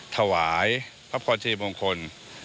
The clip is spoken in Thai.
ถวายพระพอร์เทมงคล